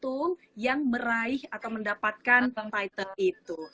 tapi yang beruntung yang meraih atau mendapatkan titel itu